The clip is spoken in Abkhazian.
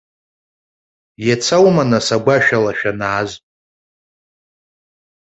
Иацы аума нас агәашәала шәанааз?